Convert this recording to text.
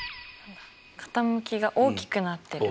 傾きが大きくなってる。